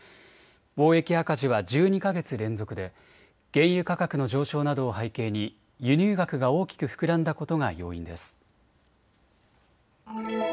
貿易赤字は１２か月連続で原油価格の上昇などを背景に輸入額が大きく膨らんだことが要因です。